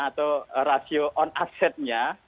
atau rasio on asset nya